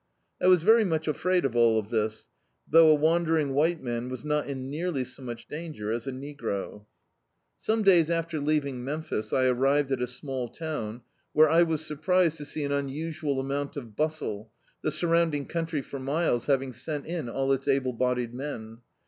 I was very much afraid of all this, although a wandering white man was not in nearly so much danger as a negro. [>39] D,i.,.db, Google The Autobiography of a Super Tramp Some days after leaving Memphis, I arrived at a small town, where I was surprised to see an unusual amount of hustle, the surrounding country for miles having sent in all its able bodied men.